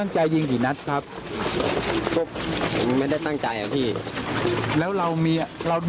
ใช่ป่ะครับ